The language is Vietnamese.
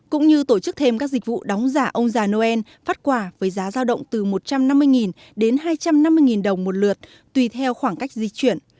cũng như tổ chức thêm các dịch vụ đóng giả ông già noel phát quả với giá giao động từ một trăm năm mươi đến hai trăm năm mươi đồng một lượt tùy theo khoảng cách di chuyển